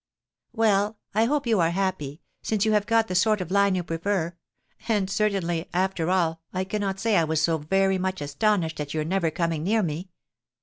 Well, I hope you are happy, since you have got the sort of line you prefer; and, certainly, after all, I cannot say I was so very much astonished at your never coming near me.